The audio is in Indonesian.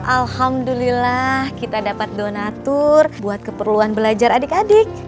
alhamdulillah kita dapat donatur buat keperluan belajar adik adik